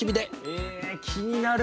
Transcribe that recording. え気になる！